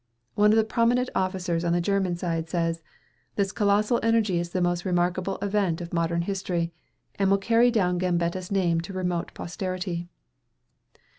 One of the prominent officers on the German side says, "This colossal energy is the most remarkable event of modern history, and will carry down Gambetta's name to remote posterity."